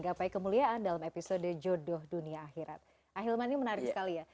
akhirnya menarik sekali ya